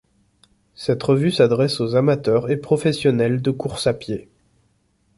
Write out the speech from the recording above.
Cette revue s'adresse aux amateurs et professionnels de course à pied.